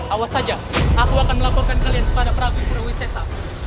awas saja aku akan melakukan kalian kepada prabu surawisesa